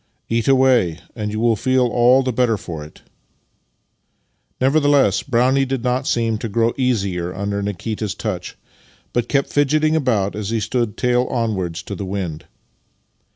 " Eat away, and you will feel all the better for it." Nevertheless, Brownie did not seem to grow easier under Nikita's touch, but kept fidgeting al^out as he stood tail onwards to the wind.